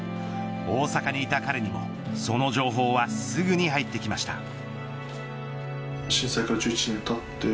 大阪にいた彼にもその情報はすぐに入ってきました。